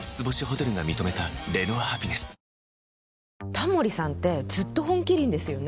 タモリさんってずっと「本麒麟」ですよね。